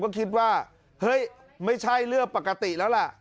ก็คิดว่าเฮ้ยไม่ใช่เรื่องปกติแล้วล่ะ